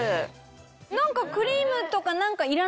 何かクリームとか何かいらないんですね。